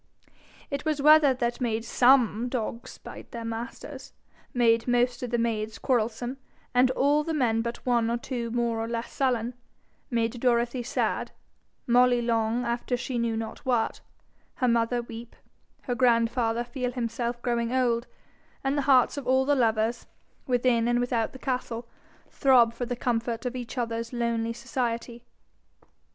It was weather that made SOME dogs bite their masters, made most of the maids quarrelsome, and all the men but one or two more or less sullen, made Dorothy sad, Molly long after she knew not what, her mother weep, her grandfather feel himself growing old, and the hearts of all the lovers, within and without the castle, throb for the comfort of each other's lonely society.